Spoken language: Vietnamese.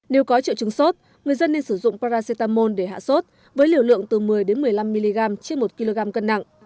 nếu có triệu chứng sốt người dân nên sử dụng paracetamol để hạ sốt với liều lượng từ một mươi một mươi năm mg trên một kg cân nặng